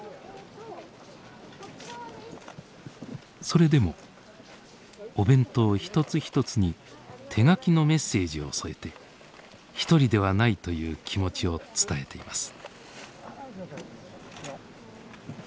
それでもお弁当一つ一つに手書きのメッセージを添えて「一人ではない」という気持ちを伝えています。